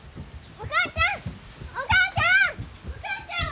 お母ちゃん